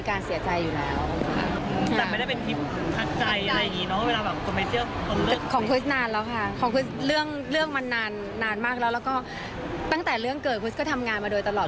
นานแล้วค่ะของคุณเรื่องมันนานมากแล้วแล้วก็ตั้งแต่เรื่องเกิดคุณก็ทำงานมาโดยตลอด